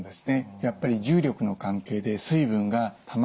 やっぱり重力の関係で水分がたまりやすくなります。